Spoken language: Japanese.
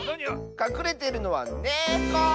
かくれているのはネコ！